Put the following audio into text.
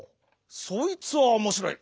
そいつはおもしろい。